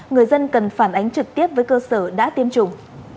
người dân cần phản ánh trực tiếp với cơ sở đã tiêm chủng